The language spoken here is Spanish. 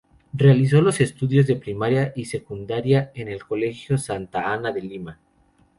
Realizó los estudios de primaria y secundaria en el Colegio Santa Ana de Lima.